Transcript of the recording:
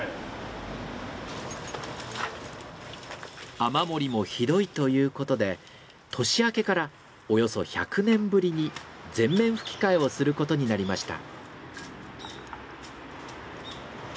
雨漏りもひどいという事で年明けからおよそ１００年ぶりに全面葺き替えをする事になりました。